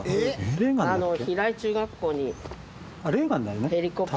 レーガンだっけ？